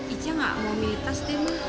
ica gak mau militas deh ma